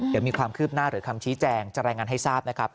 เดี๋ยวมีความคืบหน้าหรือคำชี้แจงจะรายงานให้ทราบนะครับ